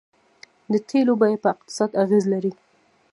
د تیلو بیه په اقتصاد اغیز لري.